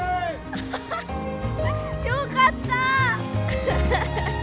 アハハッよかった！